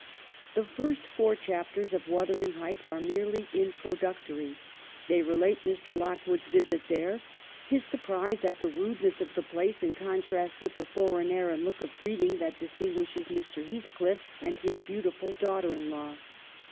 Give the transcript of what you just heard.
The first four chapters of 'Wuthering Heights' are merely introductory. They relate Mr. Lock wood's visit there, his surprise at the rudeness of the place in contrast with the foreign air and look of breeding that distinguished Mr. Heath cliff and his beautiful daughter in law.